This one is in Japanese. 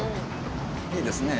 いいですね。